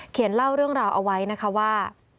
เล่าเรื่องราวเอาไว้นะคะว่า